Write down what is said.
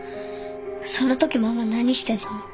そのときママ何してたの？